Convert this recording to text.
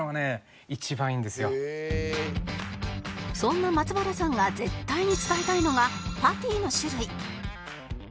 そんなマツバラさんが絶対に伝えたいのがパティの種類